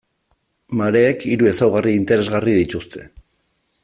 Mareek hiru ezaugarri interesgarri dituzte.